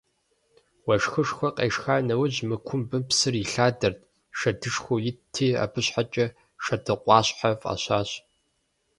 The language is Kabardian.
Уэшхышхуэ къешха нэужь мы кумбым псыр илъадэрт, шэдышхуэу итти, абы щхьэкӏэ «Шэдыкъуащхьэ» фӏащащ.